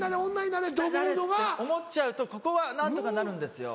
「なれ」って思っちゃうとここは何とかなるんですよ。